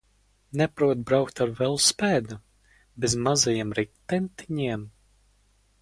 Neprot braukt ar velosipēdu bez mazajiem ritentiņiem?